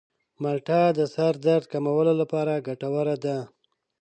مالټه د سر درد کمولو لپاره ګټوره ده.